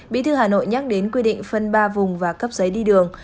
bí thư hà nội nhắc đến quy định phân ba vùng và cấp giấy đi đường